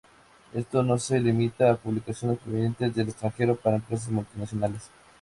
Esto no se limita a publicidades provenientes del extranjero para empresas multinacionales.